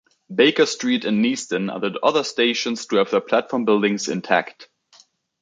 Baker Street and Neasden are the other stations to have their platform buildings intact.